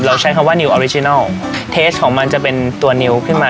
ใช้คำว่านิวออริจินัลเทสของมันจะเป็นตัวนิวขึ้นมา